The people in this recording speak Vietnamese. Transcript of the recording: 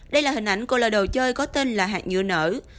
đây là hình ảnh của loại đồ chơi có tên là hạt nhựa nở